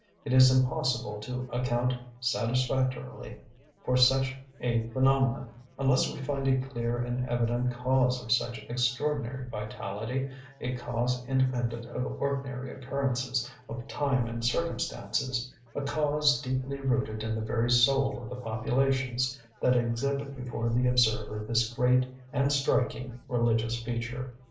It is impossible to account satisfactorily for such a phenomenon, unless we find a clear and evident cause of such extraordinary vitality, a cause independent of ordinary occurrences of time and circumstances, a cause deeply rooted in the very soul of the populations that exhibit before the observer this great and striking religious feature.